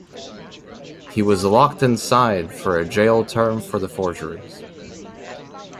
He was locked inside for a jail term for the forgeries.